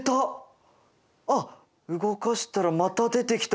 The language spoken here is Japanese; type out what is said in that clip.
あっ動かしたらまた出てきた！